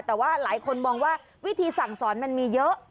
แต่ว่าหลายคนมองว่าวิธีสั่งสอนมันมีเยอะ